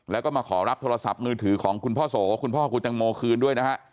แล้วก็มาขอรับโทรศัพท์มือถือของคุณพ่อโสคุณพ่อคุณตังโมคืนด้วยนะฮะ